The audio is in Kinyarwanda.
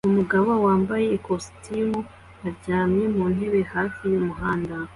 Umugabo wambaye ikositimu aryamye mu ntebe hafi y'umuhanda